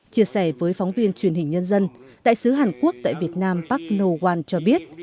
chia sẻ với phóng viên truyền hình nhân dân đại sứ hàn quốc tại việt nam park no hwan cho biết